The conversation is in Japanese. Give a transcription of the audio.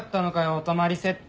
お泊まりセット。